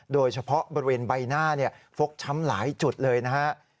โดยเฉพาะบริเวณใบหน้าฟกช้ำหลายจุดเลยนะครับ